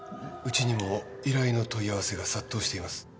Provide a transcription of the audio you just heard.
うちにも依頼の問い合わせが殺到しています。